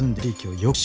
よし。